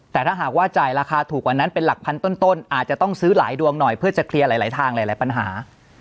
แต่ถ้าหากว่าจ่ายราคาถูกกว่านั้นเป็นหลักพันต้นอาจจะต้องซื้อหลายดวงหน่อยเพื่อจะเคลียร์หลายทางหลายปัญหา